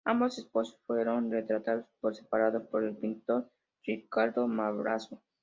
Ambos esposos fueron retratados por separado por el pintor Ricardo Madrazo.